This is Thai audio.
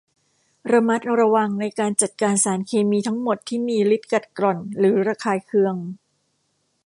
ระมัดระวังในการจัดการสารเคมีทั้งหมดที่มีฤทธิ์กัดกร่อนหรือระคายเคือง